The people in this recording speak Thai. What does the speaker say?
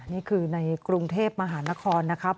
นี่คือในกรุงเทพมหานครนะครับ